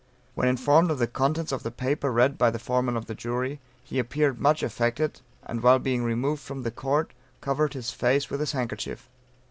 When informed of the contents of the paper read by the foreman of the jury, he appeared much affected, and while being removed from the Court, covered his face with his handkerchief."